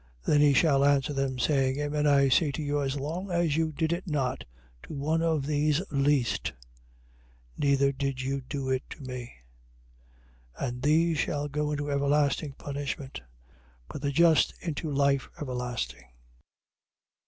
25:45. Then he shall answer them, saying: Amen: I say to you, as long as you did it not to one of these least, neither did you do it to me. 25:46. And these shall go into everlasting punishment: but the just, into life everlasting.